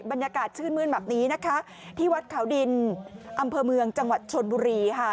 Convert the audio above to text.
บรรยากาศชื่นมื้นแบบนี้นะคะที่วัดเขาดินอำเภอเมืองจังหวัดชนบุรีค่ะ